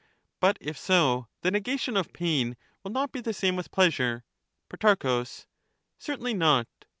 But if SO, the negation of pain will not be the same with pleasure. Pro, Certainly not.